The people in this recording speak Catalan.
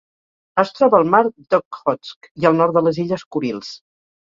Es troba al Mar d'Okhotsk i el nord de les Illes Kurils.